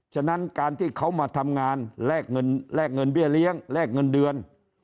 ฉะนั้นการที่เขามาทำงานแลกเงินเบี้ยเลี้ยงแลกเงินเดือน